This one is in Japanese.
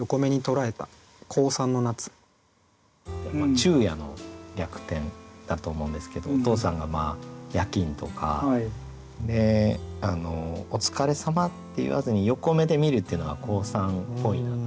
昼夜の逆転だと思うんですけどお父さんが夜勤とかで「お疲れさま」って言わずに横目で見るっていうのが高三っぽいなって。